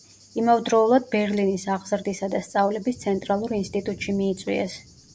იმავდროულად ბერლინის აღზრდისა და სწავლების ცენტრალურ ინსტიტუტში მიიწვიეს.